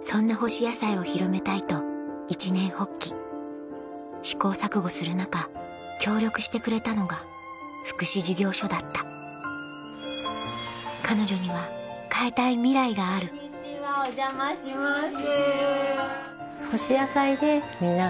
そんな干し野菜を広めたいと一念発起試行錯誤する中協力してくれたのが福祉事業所だった彼女には変えたいミライがあるお邪魔します。